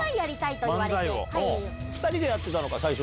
２人でやってたのか？